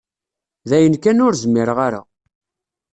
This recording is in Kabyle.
Dayen kan ur zmireɣ ara.